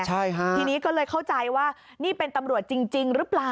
ใช่ค่ะทีนี้ก็เลยเข้าใจว่านี่เป็นตำรวจจริงหรือเปล่า